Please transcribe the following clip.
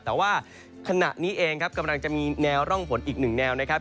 แต่ว่าขณะนี้เองครับกำลังจะมีแนวร่องฝนอีกหนึ่งแนวนะครับ